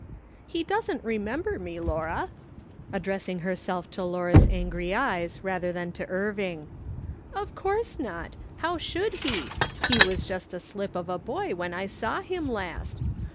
" He doesn't remember me, Laura," addressing her self to Laura's angry eyes rather than to Irving. " Of course not ! How should he ? He was just a slip of a boy when I saw him last.